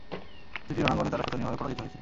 প্রতিটি রণাঙ্গনে তারা শোচনীয়ভাবে পরাজিত হয়েছে।